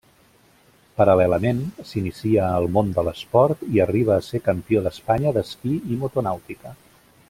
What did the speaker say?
Paral·lelament, s'inicia al món de l'esport i arriba a ser campió d'Espanya d'esquí i motonàutica.